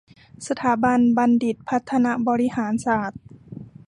สถาบันบัณฑิตพัฒนบริหารศาสตร์